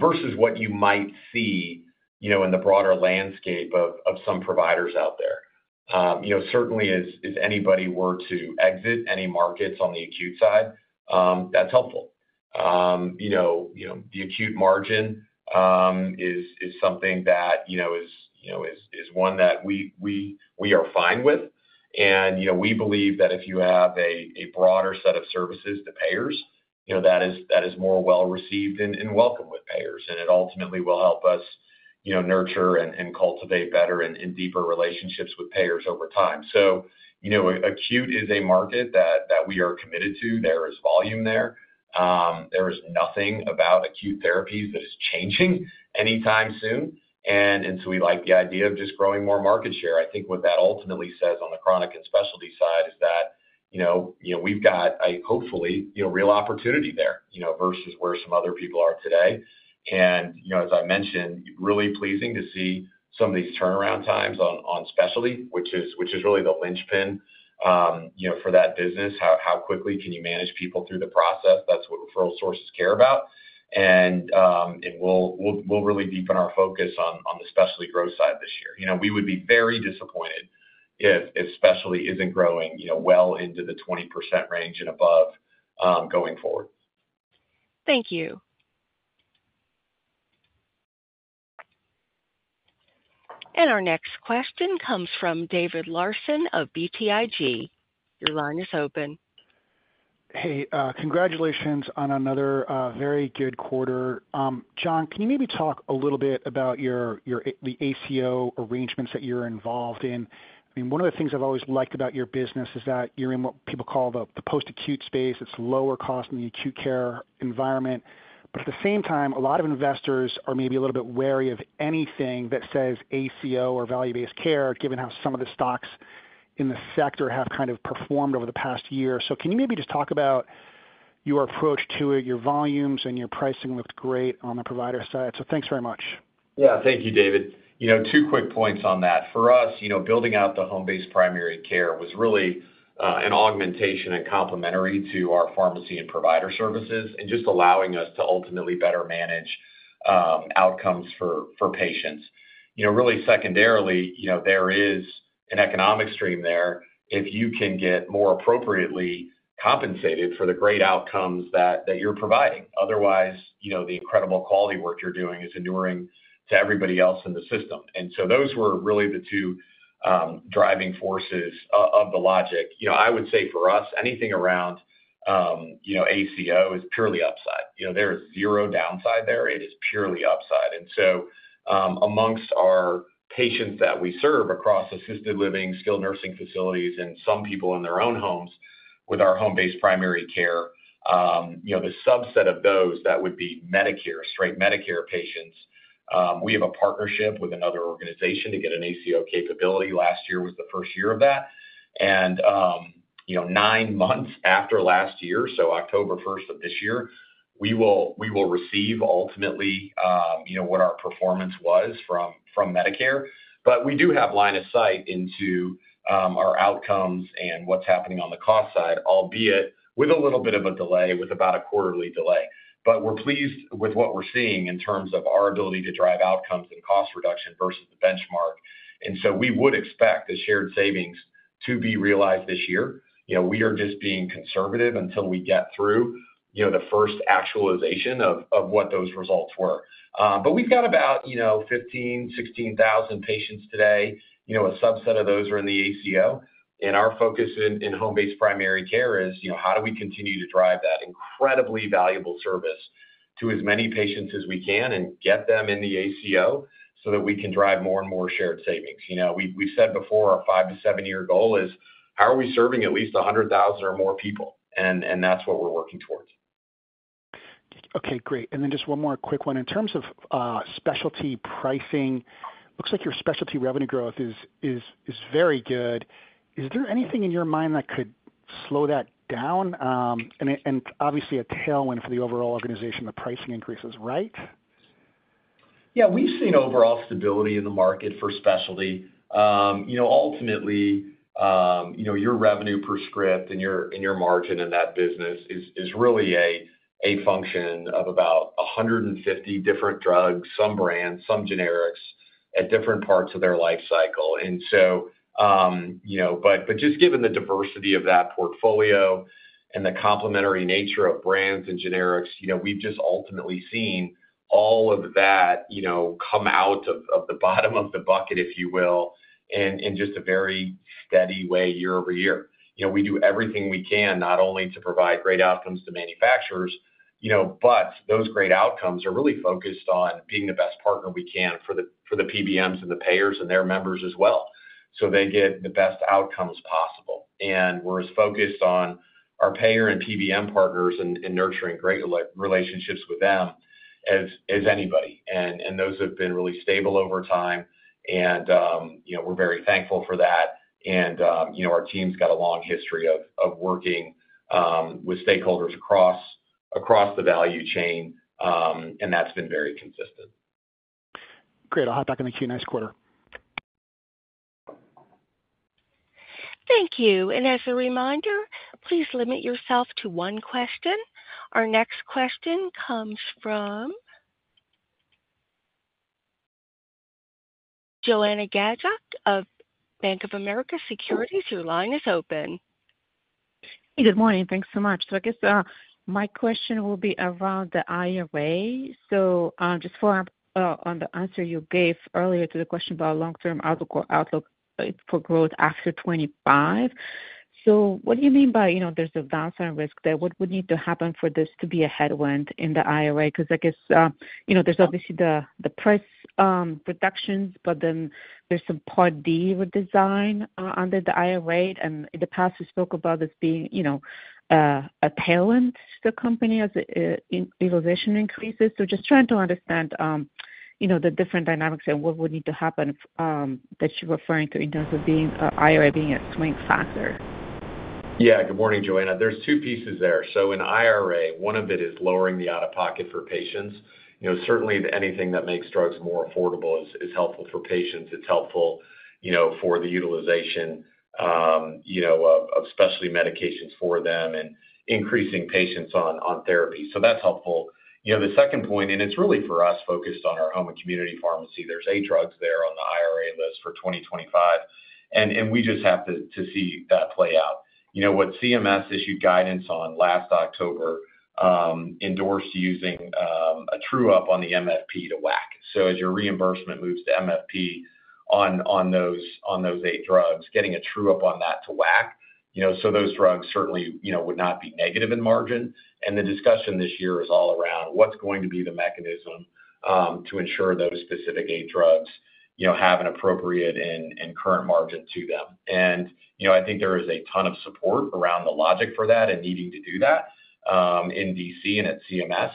versus what you might see in the broader landscape of some providers out there. Certainly, if anybody were to exit any markets on the acute side, that's helpful. The acute margin is something that is one that we are fine with. And we believe that if you have a broader set of services to payers, that is more well-received and welcome with payers, and it ultimately will help us nurture and cultivate better and deeper relationships with payers over time. So acute is a market that we are committed to. There is volume there. There is nothing about acute therapies that is changing anytime soon. And so we like the idea of just growing more market share. I think what that ultimately says on the chronic and specialty side is that we've got, hopefully, real opportunity there versus where some other people are today. And as I mentioned, really pleasing to see some of these turnaround times on specialty, which is really the linchpin for that business. How quickly can you manage people through the process? That's what referral sources care about. And we'll really deepen our focus on the specialty growth side this year. We would be very disappointed if specialty isn't growing well into the 20% range and above going forward. Thank you. And our next question comes from David Larsen of BTIG. Your line is open. Hey, congratulations on another very good quarter. Jon, can you maybe talk a little bit about the ACO arrangements that you're involved in? I mean, one of the things I've always liked about your business is that you're in what people call the post-acute space. It's lower cost in the acute care environment. But at the same time, a lot of investors are maybe a little bit wary of anything that says ACO or value-based care, given how some of the stocks in the sector have kind of performed over the past year. So can you maybe just talk about your approach to it? Your volumes and your pricing looked great on the provider side. So thanks very much. Yeah. Thank you, David. Two quick points on that. For us, building out the home-based primary care was really an augmentation and complementary to our pharmacy and provider services and just allowing us to ultimately better manage outcomes for patients. Really, secondarily, there is an economic stream there if you can get more appropriately compensated for the great outcomes that you're providing. Otherwise, the incredible quality work you're doing is endearing to everybody else in the system. And so those were really the two driving forces of the logic. I would say for us, anything around ACO is purely upside. There is zero downside there. It is purely upside. And so amongst our patients that we serve across assisted living, skilled nursing facilities, and some people in their own homes with our home-based primary care, the subset of those that would be straight Medicare patients, we have a partnership with another organization to get an ACO capability. Last year was the first year of that. And nine months after last year, so October 1st of this year, we will receive ultimately what our performance was from Medicare. But we do have line of sight into our outcomes and what's happening on the cost side, albeit with a little bit of a delay, with about a quarterly delay. But we're pleased with what we're seeing in terms of our ability to drive outcomes and cost reduction versus the benchmark. And so we would expect the shared savings to be realized this year. We are just being conservative until we get through the first actualization of what those results were. But we've got about 15-16 thousand patients today. A subset of those are in the ACO. And our focus in home-based primary care is how do we continue to drive that incredibly valuable service to as many patients as we can and get them in the ACO so that we can drive more and more shared savings. We've said before our five- to seven-year goal is how are we serving at least 100,000 or more people? That's what we're working towards. Okay. Great. And then just one more quick one. In terms of specialty pricing, looks like your specialty revenue growth is very good. Is there anything in your mind that could slow that down? And obviously, a tailwind for the overall organization, the pricing increases, right? Yeah. We've seen overall stability in the market for specialty. Ultimately, your revenue per script and your margin in that business is really a function of about 150 different drugs, some brands, some generics at different parts of their life cycle. And so, but just given the diversity of that portfolio and the complementary nature of brands and generics, we've just ultimately seen all of that come out of the bottom of the bucket, if you will, in just a very steady way year-over-year. We do everything we can, not only to provide great outcomes to manufacturers, but those great outcomes are really focused on being the best partner we can for the PBMs and the payers and their members as well. So they get the best outcomes possible. And we're as focused on our payer and PBM partners and nurturing great relationships with them as anybody. And those have been really stable over time. And we're very thankful for that. And our team's got a long history of working with stakeholders across the value chain, and that's been very consistent. Great. I'll hop back in the queue next quarter. Thank you. And as a reminder, please limit yourself to one question. Our next question comes from Joanna Gajuk of Bank of America Securities. Your line is open. Hey, good morning. Thanks so much. So I guess my question will be around the IRA. So just following up on the answer you gave earlier to the question about long-term outlook for growth after '25. So what do you mean by there's a downside risk there? What would need to happen for this to be a headwind in the IRA? Because I guess there's obviously the price reductions, but then there's some Part D redesign under the IRA. And in the past, we spoke about this being a tailwind to the company as utilization increases. So just trying to understand the different dynamics and what would need to happen that you're referring to in terms of the IRA being a swing factor. Yeah. Good morning, Joanna. There's two pieces there. So in IRA, one of it is lowering the out-of-pocket for patients. Certainly, anything that makes drugs more affordable is helpful for patients. It's helpful for the utilization of specialty medications for them and increasing patients on therapy. So that's helpful. The second point, and it's really for us focused on our home and community pharmacy, there's eight drugs there on the IRA list for 2025. And we just have to see that play out. What CMS issued guidance on last October endorsed using a true-up on the MFP to WAC. So as your reimbursement moves to MFP on those eight drugs, getting a true-up on that to WAC. So those drugs certainly would not be negative in margin. And the discussion this year is all around what's going to be the mechanism to ensure those specific eight drugs have an appropriate and current margin to them. And I think there is a ton of support around the logic for that and needing to do that in DC and at CMS.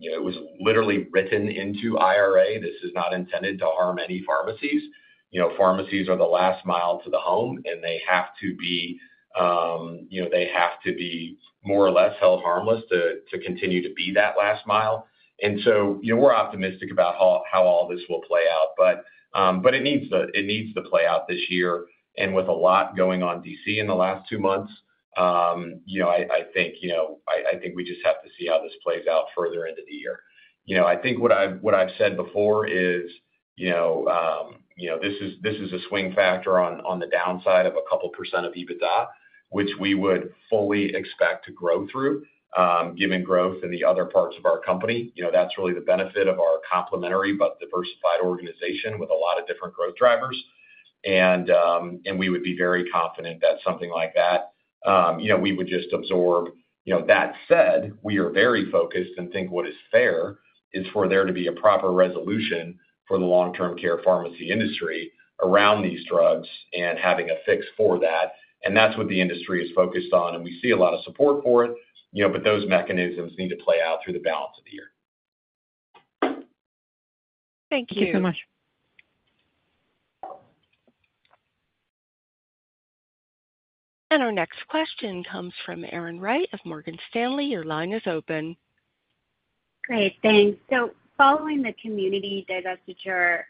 It was literally written into IRA. This is not intended to harm any pharmacies. Pharmacies are the last mile to the home, and they have to be more or less held harmless to continue to be that last mile. And so we're optimistic about how all this will play out. But it needs to play out this year. And with a lot going on in D.C. in the last two months, I think we just have to see how this plays out further into the year. I think what I've said before is this is a swing factor on the downside of a couple% of EBITDA, which we would fully expect to grow through given growth in the other parts of our company. That's really the benefit of our complementary but diversified organization with a lot of different growth drivers. And we would be very confident that something like that, we would just absorb. That said, we are very focused and think what is fair is for there to be a proper resolution for the long-term care pharmacy industry around these drugs and having a fix for that. And that's what the industry is focused on. And we see a lot of support for it. But those mechanisms need to play out through the balance of the year. Thank you. Thank you so much. And our next question comes from Erin Wright of Morgan Stanley. Your line is open. Great. Thanks. So following the community divestiture,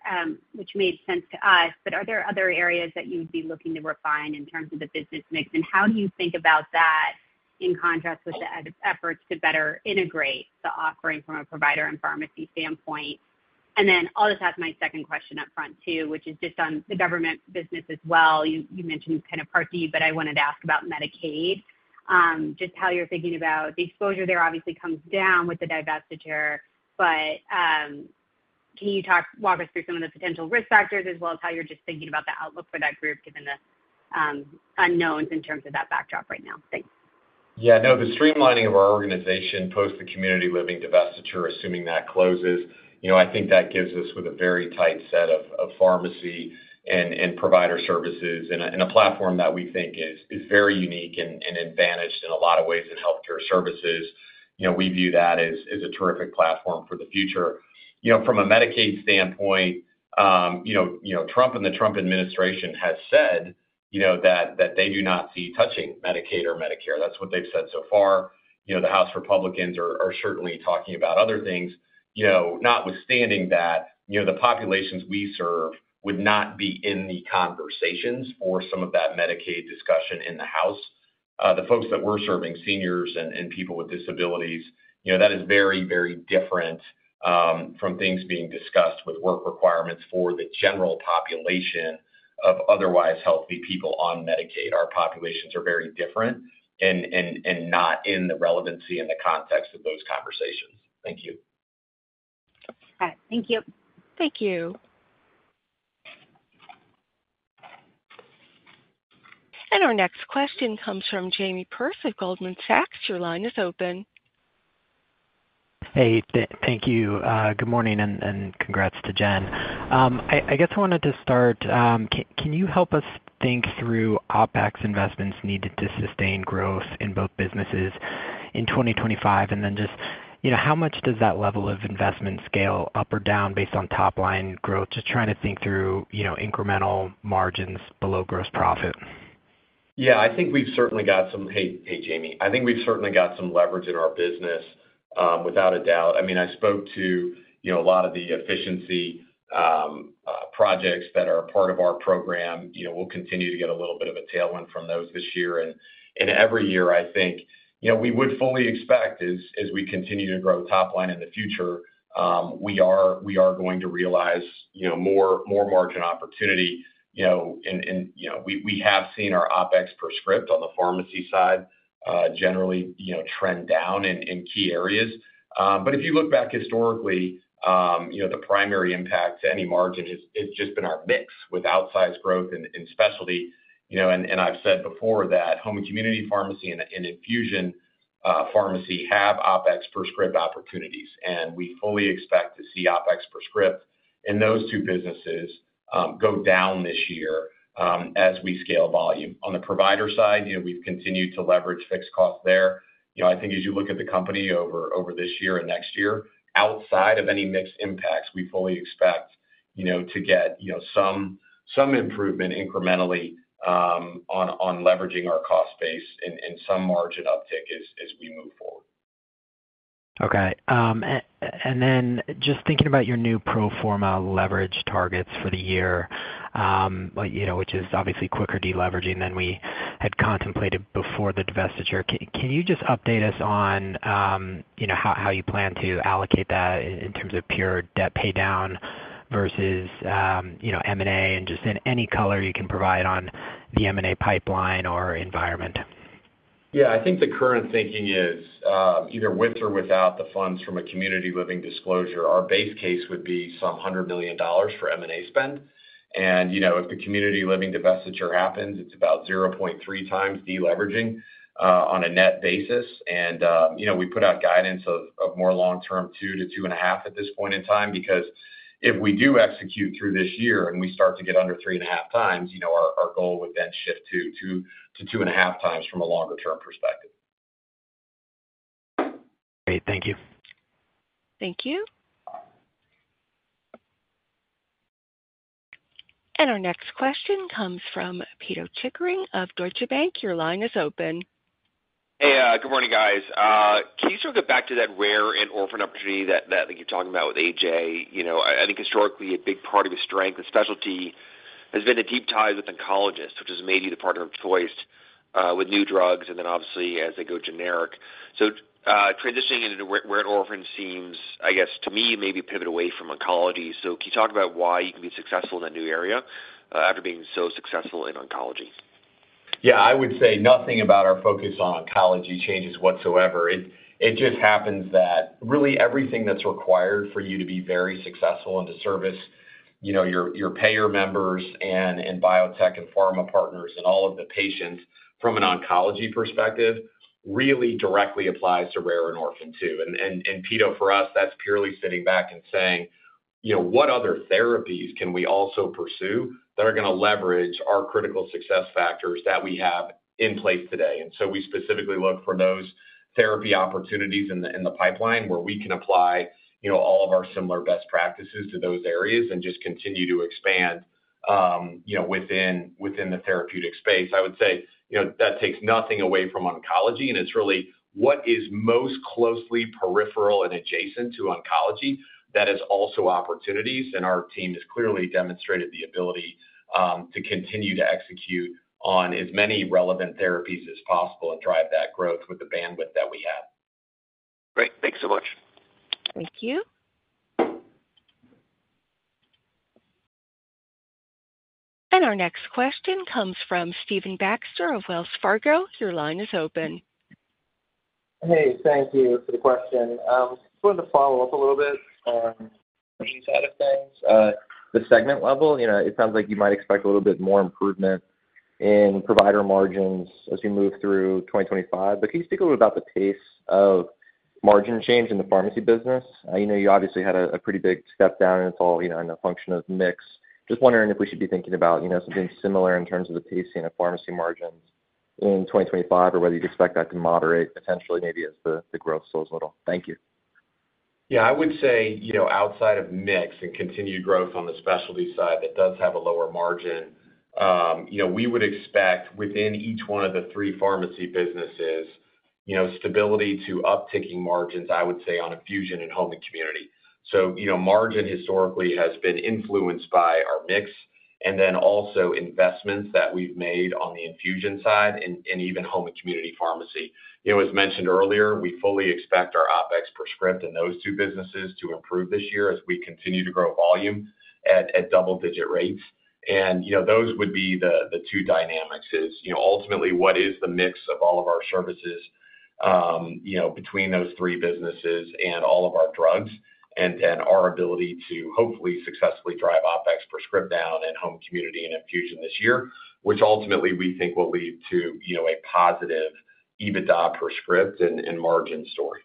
which made sense to us, but are there other areas that you would be looking to refine in terms of the business mix? And how do you think about that in contrast with the efforts to better integrate the offering from a provider and pharmacy standpoint? And then I'll just ask my second question upfront too, which is just on the government business as well. You mentioned kind of part D, but I wanted to ask about Medicaid, just how you're thinking about the exposure there. Obviously, it comes down with the divestiture. But can you walk us through some of the potential risk factors as well as how you're just thinking about the outlook for that group given the unknowns in terms of that backdrop right now? Thanks. Yeah. No, the streamlining of our organization post the community living divestiture, assuming that closes, I think that gives us with a very tight set of pharmacy and provider services and a platform that we think is very unique and advantaged in a lot of ways in healthcare services. We view that as a terrific platform for the future. From a Medicaid standpoint, Trump and the Trump administration have said that they do not see touching Medicaid or Medicare. That's what they've said so far. The House Republicans are certainly talking about other things. Notwithstanding that the populations we serve would not be in the conversations for some of that Medicaid discussion in the House. The folks that we're serving, seniors and people with disabilities, that is very, very different from things being discussed with work requirements for the general population of otherwise healthy people on Medicaid. Our populations are very different and not in the relevancy and the context of those conversations. Thank you. Okay. Thank you. Thank you. And our next question comes from Jamie Perse of Goldman Sachs. Your line is open. Hey, thank you. Good morning and congrats to Jen. I guess I wanted to start. Can you help us think through OpEx investments needed to sustain growth in both businesses in 2025? And then just how much does that level of investment scale up or down based on top-line growth? Just trying to think through incremental margins below gross profit. Yeah. I think we've certainly got some, hey, Jamie, I think we've certainly got some leverage in our business without a doubt. I mean, I spoke to a lot of the efficiency projects that are a part of our program. We'll continue to get a little bit of a tailwind from those this year. And every year, I think we would fully expect as we continue to grow top-line in the future, we are going to realize more margin opportunity. And we have seen our OpEx per script on the pharmacy side generally trend down in key areas. But if you look back historically, the primary impact to any margin has just been our mix with outsized growth in specialty. And I've said before that home and community pharmacy and infusion pharmacy have OpEx per script opportunities. And we fully expect to see OpEx per script in those two businesses go down this year as we scale volume. On the provider side, we've continued to leverage fixed costs there. I think as you look at the company over this year and next year, outside of any mixed impacts, we fully expect to get some improvement incrementally on leveraging our cost base and some margin uptick as we move forward. Okay. And then just thinking about your new pro forma leverage targets for the year, which is obviously quicker deleveraging than we had contemplated before the divestiture. Can you just update us on how you plan to allocate that in terms of pure debt pay down versus M&A and just any color you can provide on the M&A pipeline or environment? Yeah. I think the current thinking is either with or without the funds from a community living divestiture, our base case would be some $100 million for M&A spend. And if the community living divestiture happens, it's about 0.3 times deleveraging on a net basis. And we put out guidance of more long-term two to two and a half at this point in time because if we do execute through this year and we start to get under three and a half times, our goal would then shift to two and a half times from a longer-term perspective. Great. Thank you. Thank you. And our next question comes from Pito Chickering of Deutsche Bank. Your line is open. Hey, good morning, guys. Can you circle back to that rare and orphan opportunity that you're talking about with A.J.?I think historically, a big part of his strength, the specialty, has been the deep ties with oncologists, which has made you the partner of choice with new drugs and then obviously as they go generic. So transitioning into rare and orphan seems, I guess, to me, maybe a pivot away from oncology. So can you talk about why you can be successful in that new area after being so successful in oncology? Yeah. I would say nothing about our focus on oncology changes whatsoever. It just happens that really everything that's required for you to be very successful and to service your payer members and biotech and pharma partners and all of the patients from an oncology perspective really directly applies to rare and orphan too. And Pito, for us, that's purely sitting back and saying, "What other therapies can we also pursue that are going to leverage our critical success factors that we have in place today?" And so we specifically look for those therapy opportunities in the pipeline where we can apply all of our similar best practices to those areas and just continue to expand within the therapeutic space. I would say that takes nothing away from oncology. And it's really what is most closely peripheral and adjacent to oncology that is also opportunities. And our team has clearly demonstrated the ability to continue to execute on as many relevant therapies as possible and drive that growth with the bandwidth that we have. Great. Thanks so much. Thank you. And our next question comes from Stephen Baxter of Wells Fargo. Your line is open. Hey, thank you for the question. I just wanted to follow up a little bit on the margin side of things. The segment level, it sounds like you might expect a little bit more improvement in provider margins as we move through 2025. But can you speak a little about the pace of margin change in the pharmacy business? You obviously had a pretty big step down, and it's all in a function of mix. Just wondering if we should be thinking about something similar in terms of the pace in pharmacy margins in 2025 or whether you'd expect that to moderate potentially maybe as the growth slows a little. Thank you. Yeah. I would say outside of mix and continued growth on the specialty side that does have a lower margin, we would expect within each one of the three pharmacy businesses stability to upticking margins, I would say, on infusion and home and community. So margin historically has been influenced by our mix and then also investments that we've made on the infusion side and even home and community pharmacy. As mentioned earlier, we fully expect our OpEx per script in those two businesses to improve this year as we continue to grow volume at double-digit rates. And those would be the two dynamics is ultimately what is the mix of all of our services between those three businesses and all of our drugs and our ability to hopefully successfully drive OpEx per script down and home and community and infusion this year, which ultimately we think will lead to a positive EBITDA per script and margin story.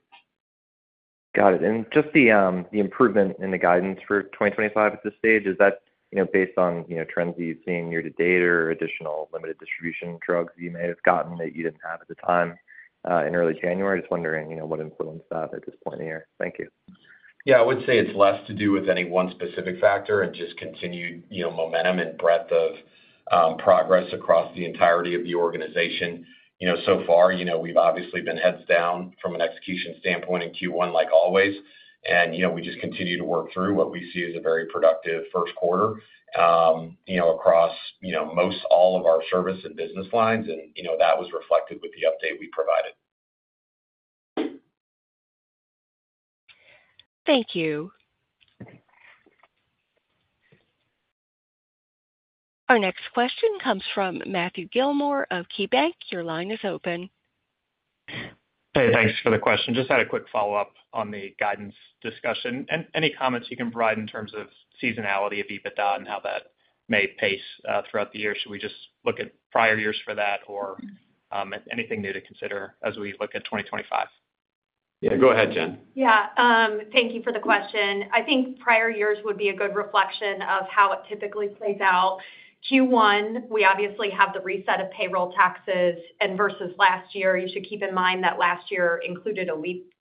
Got it. And just the improvement in the guidance for 2025 at this stage, is that based on trends that you've seen year to date or additional limited distribution drugs that you may have gotten that you didn't have at the time in early January? Just wondering what influenced that at this point in the year. Thank you. Yeah. I would say it's less to do with any one specific factor and just continued momentum and breadth of progress across the entirety of the organization. So far, we've obviously been heads down from an execution standpoint in Q1 like always. And we just continue to work through what we see as a very productive first quarter across most all of our service and business lines. And that was reflected with the update we provided. Thank you. Our next question comes from Matthew Gillmor of KeyBanc Capital Markets. Your line is open. Hey, thanks for the question. Just had a quick follow-up on the guidance discussion. Any comments you can provide in terms of seasonality of EBITDA and how that may pace throughout the year? Should we just look at prior years for that or anything new to consider as we look at 2025? Yeah. Go ahead, Jen. Yeah. Thank you for the question. I think prior years would be a good reflection of how it typically plays out. Q1, we obviously have the reset of payroll taxes versus last year. You should keep in mind that last year included a leap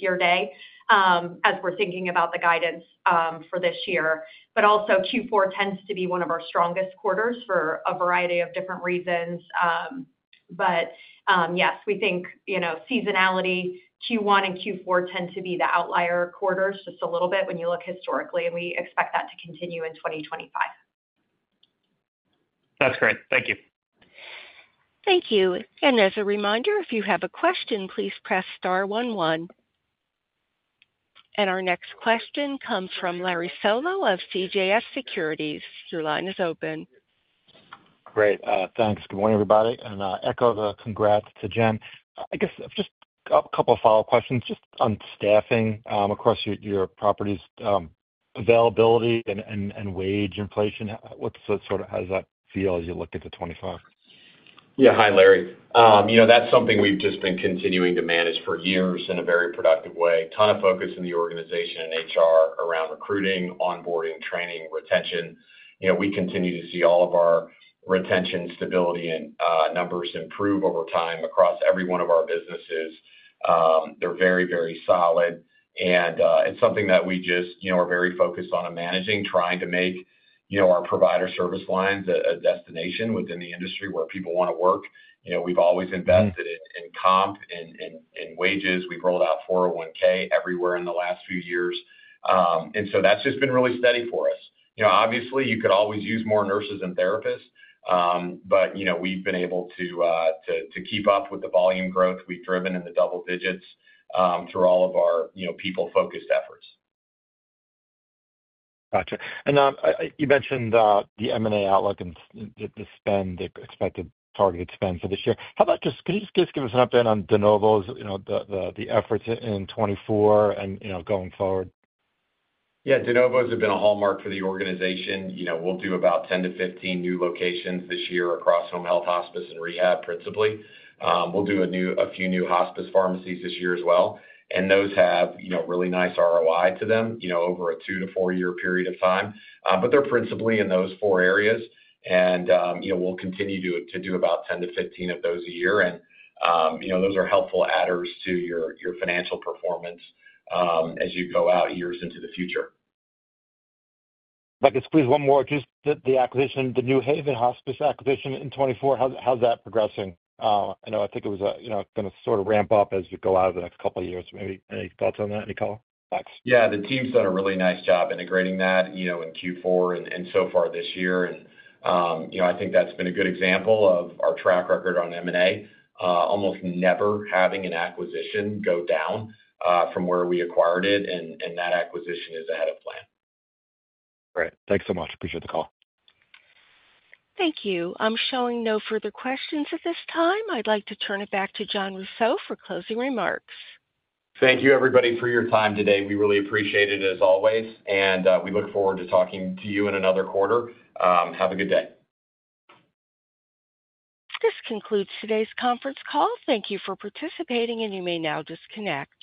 year day as we're thinking about the guidance for this year. But also Q4 tends to be one of our strongest quarters for a variety of different reasons. But yes, we think seasonality, Q1 and Q4, tend to be the outlier quarters just a little bit when you look historically. We expect that to continue in 2025. That's great. Thank you. Thank you. As a reminder, if you have a question, please press star one one. Our next question comes from Larry Solow of CJS Securities. Your line is open. Great. Thanks. Good morning, everybody. And echo the congrats to Jen. I guess just a couple of follow-up questions just on staffing across your properties, availability, and wage inflation. What sort of how does that feel as you look into 2025? Yeah. Hi, Larry. That's something we've just been continuing to manage for years in a very productive way. Ton of focus in the organization and HR around recruiting, onboarding, training, retention. We continue to see all of our retention, stability, and numbers improve over time across every one of our businesses. They're very, very solid. It's something that we just are very focused on managing, trying to make our provider service lines a destination within the industry where people want to work. We've always invested in comp and wages. We've rolled out 401(k) everywhere in the last few years. So that's just been really steady for us. Obviously, you could always use more nurses and therapists, but we've been able to keep up with the volume growth we've driven in the double digits through all of our people-focused efforts. Gotcha. You mentioned the M&A outlook and the expected targeted spend for this year. How about just can you just give us an update on de novos, the efforts in 2024 and going forward? Yeah. De novos have been a hallmark for the organization. We'll do about 10-15 new locations this year across home health, hospice, and rehab principally. We'll do a few new hospice pharmacies this year as well, and those have really nice ROI to them over a two- to four-year period of time, but they're principally in those four areas, and we'll continue to do about 10-15 of those a year, and those are helpful adders to your financial performance as you go out years into the future. I guess, please, one more. Just the acquisition, the new Haven Hospice acquisition in 2024, how's that progressing? I know I think it was going to sort of ramp up as you go out of the next couple of years. Maybe any thoughts on that? Any callbacks? Yeah. The team's done a really nice job integrating that in Q4 and so far this year. And I think that's been a good example of our track record on M&A, almost never having an acquisition go down from where we acquired it. And that acquisition is ahead of plan. Great. Thanks so much. Appreciate the call. Thank you. I'm showing no further questions at this time. I'd like to turn it back to Jon Rousseau for closing remarks. Thank you, everybody, for your time today. We really appreciate it as always. And we look forward to talking to you in another quarter. Have a good day. This concludes today's conference call. Thank you for participating, and you may now disconnect.